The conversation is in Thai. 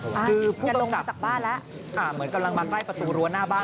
คือจะลงมาจากบ้านแล้วอ่าเหมือนกำลังมาใกล้ประตูรั้วหน้าบ้าน